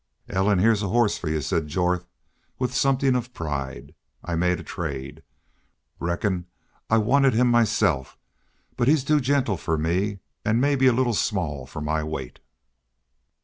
"Ellen, heah's a horse for you," said Jorth, with something of pride. "I made a trade. Reckon I wanted him myself, but he's too gentle for me an' maybe a little small for my weight."